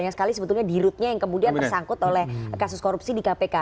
banyak sekali sebetulnya di rootnya yang kemudian tersangkut oleh kasus korupsi di kpk